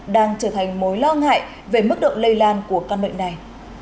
đang trở thành mối lo ngại về mức độ lây lan của căn bệnh này